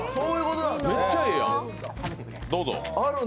めっちゃええやん。